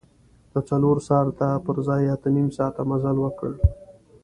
د څلور ساعته پر ځای اته نیم ساعته مزل وکړ.